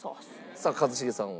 さあ一茂さんは？